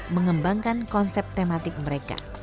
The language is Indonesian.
mengembangkan konsep tematik mereka